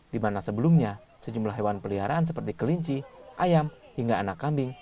di mana sebelumnya sejumlah hewan peliharaan seperti kelinci ayam hingga anak kambing